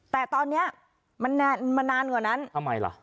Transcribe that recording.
แต่ตอนนี้มันนานกว่านั้นทำไมล่ะ